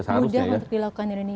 mudah untuk dilakukan di indonesia